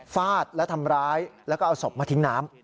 ฟาดและทำร้ายแล้วก็เอาศพมาทิ้งน้ำ